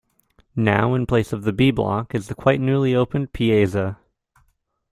Now, in place of the B-block is the quite newly opened Piazza.